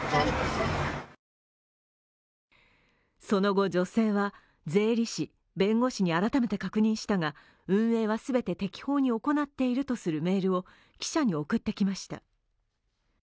その後女性は、税理士、弁護士に改めて確認したが運営は全て適法に行っているとするメールを記者に送ってきました。